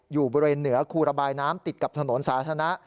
อยู่บริเวณเหนือคูระบายน้ำติดกับถนนสาธารณะ